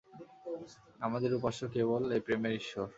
আমাদের উপাস্য কেবল এই প্রেমের ঈশ্বর।